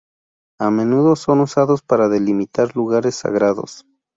A menudo son usados para delimitar lugares sagrados.